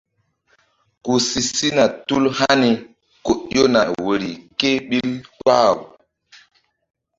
Ku si sina tul hani ko ƴona woyri ké ɓil kpah-aw.